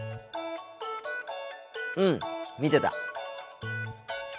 うん見てた。